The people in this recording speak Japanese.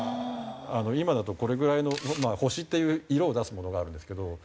今だとこれぐらいの「星」っていう色を出すものがあるんですけど。